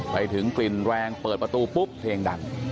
ไปถึงกลิ่นแรงเปิดประตูปุ๊บเพลงดัง